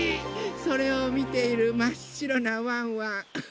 それをみているまっしろなワンワン。